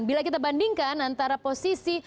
bila kita bandingkan antara posisi